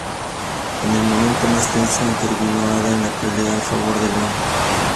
En el momento más tenso intervino Ada en la pelea a favor de Leon.